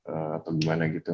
atau gimana gitu